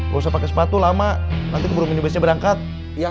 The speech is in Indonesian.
lu usah pakai sepatu lama nanti keburu minibusnya berangkat ya kang